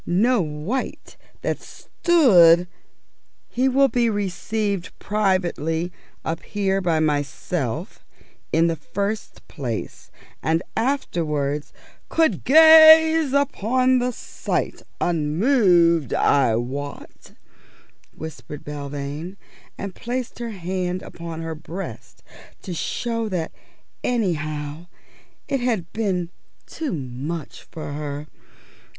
No wight that stood _" "He will be received privately up here by myself in the first place, and afterwards " "Could gaze upon the sight unmoved, I wot," whispered Belvane, and placed her hand upon her breast to show that anyhow it had been too much for her.